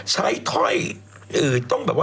ใช้ถ้อยการที่น่าตื่นเต้นกรรมกวม